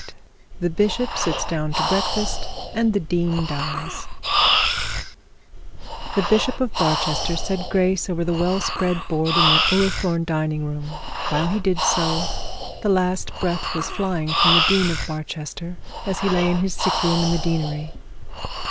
CHAPTER XXXVIII THE BISHOP SITS DOWN TO BREAKFAST, AND THE DEAN DIES The bishop of Barchester said grace over the well spread board in the Ullathorne dining room; and while he did so the last breath was flying from the dean of Barchester as he lay in his sick room in the deanery.